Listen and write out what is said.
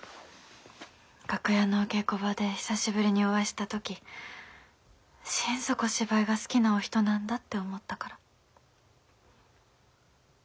楽屋のお稽古場で久しぶりにお会いした時心底芝居が好きなお人なんだって思ったから。